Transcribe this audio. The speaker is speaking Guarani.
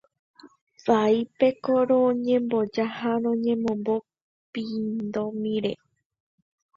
Vaípeko roñemboja ha roñemombo pindomimíre.